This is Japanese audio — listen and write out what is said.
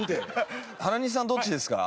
原西さんどっちですか？